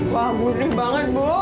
wah mulih banget bu